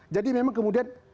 jadi memang kemudian